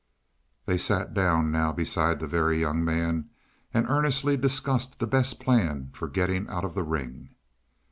They sat down now beside the Very Young Man, and earnestly discussed the best plan for getting out of the ring.